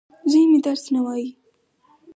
زوی مي درس نه وايي.